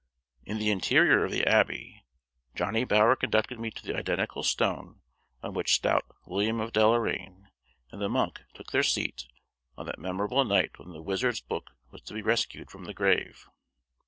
In the interior of the Abbey Johnny Bower conducted me to the identical stone on which Stout "William of Deloraine" and the monk took their seat on that memorable night when the wizard's book was to be rescued from the grave.